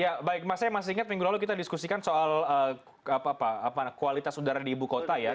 ya baik mas saya masih ingat minggu lalu kita diskusikan soal kualitas udara di ibu kota ya